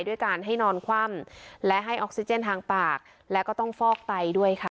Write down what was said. ด้วยการให้นอนคว่ำและให้ออกซิเจนทางปากแล้วก็ต้องฟอกไตด้วยค่ะ